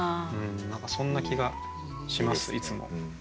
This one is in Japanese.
何かそんな気がしますいつも。